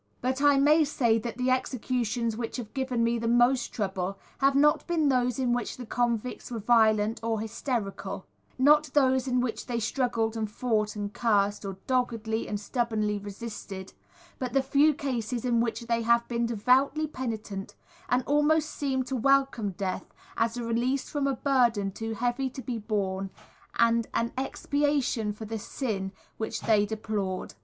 But I may say that the executions which have given me the most trouble have not been those in which the convicts were violent or hysterical, not those in which they struggled and fought and cursed, or doggedly and stubbornly resisted; but the few cases in which they have been devoutly penitent, and almost seemed to welcome death as a release from a burden too heavy to be borne and an expiation for the sin which they deplored.